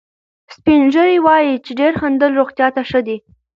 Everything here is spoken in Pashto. سپین ږیري وایي چې ډېر خندل روغتیا ته ښه دي.